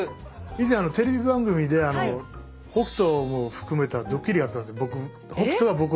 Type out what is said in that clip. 以前テレビ番組で北斗も含めたドッキリやったんですよ。